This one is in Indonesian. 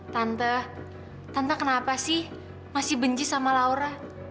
tante tante kenapa sih masih benci sama laura